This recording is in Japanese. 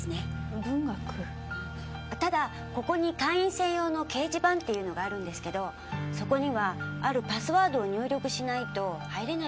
ただここに会員専用の掲示板っていうのがあるんですけどそこにはあるパスワードを入力しないと入れないんです。